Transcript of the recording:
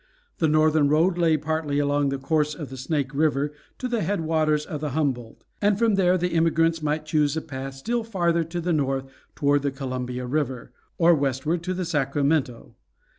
The northern road lay partly along the course of the Snake River to the headwaters of the Humboldt, and from there the emigrants might choose a path still farther to the north toward the Columbia River, or westward to the Sacramento.